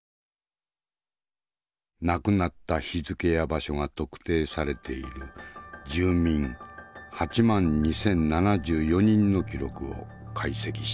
亡くなった日付や場所が特定されている住民８万２，０７４人の記録を解析した。